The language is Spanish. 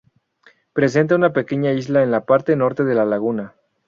Presenta una pequeña isla en la parte norte de la laguna.